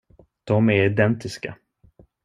De är identiska.